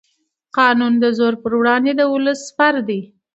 قانون د زور پر وړاندې د ولس سپر دی